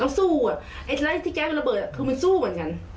แล้วสู้ที่แกะกำลังระเบิดว่ามันสู้เหมือนกัน